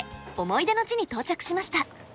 思い出の地に到着しました。